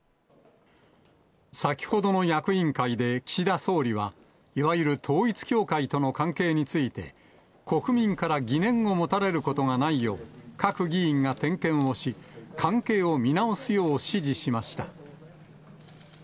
先ほどの役員会で、岸田総理は、いわゆる統一教会との関係について、国民から疑念を持たれることがないよう、各議員が点検をし、関係を見直すよう指示しました。